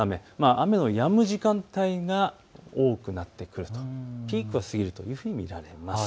雨のやむ時間帯が多くなってくると、ピークは過ぎるというふうに見られます。